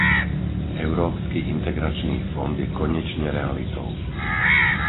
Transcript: Európsky integračný fond je konečne realitou.